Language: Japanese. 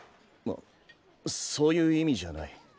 あそういう意味じゃない。